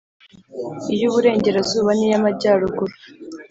iy’uburengerazuba n’iy’amajyaruguru